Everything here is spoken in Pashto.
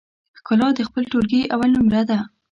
ښکلا د خپل ټولګي اول نمره ده